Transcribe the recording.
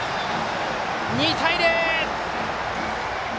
２対０！